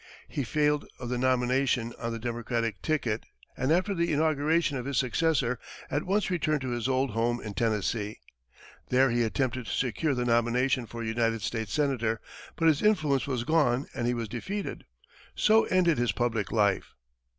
He failed of the nomination on the Democratic ticket, and after the inauguration of his successor, at once returned to his old home in Tennessee. There he attempted to secure the nomination for United States senator, but his influence was gone and he was defeated. So ended his public life.